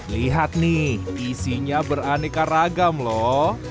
lihat nih isinya beraneka ragam loh